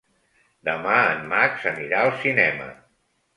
Demà en Max anirà al cinema.